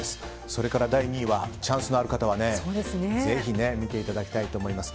それから第２位はチャンスのある方はぜひ見ていただきたいと思います。